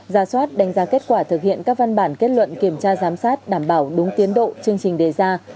ra soát đánh giá kết quả thực hiện các văn bản kết luận kiểm tra giám sát đảm bảo đúng tiến độ chương trình đề ra